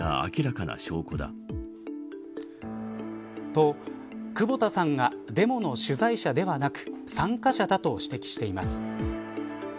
と、久保田さんがデモの取材者だけではなく参加者だと指摘しています。